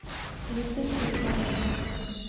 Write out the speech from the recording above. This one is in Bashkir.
Егеттең ҡурҡағы яман.